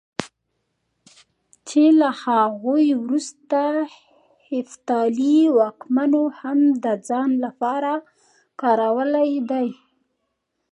چې له هغوی وروسته هېپتالي واکمنو هم د ځان لپاره کارولی دی.